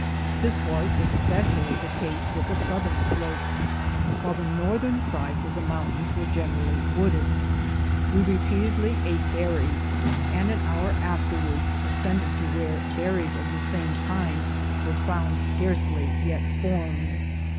This was especially the case with the southern slopes, while the northern sides of the moun tains were generally wooded. We repeatedly ate ber ries, and an hour afterwards ascended to where berries of the same kind were found scarcely yet formed.